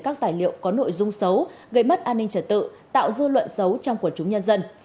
các tài liệu có nội dung xấu gây mất an ninh trật tự tạo dư luận xấu trong quần chúng nhân dân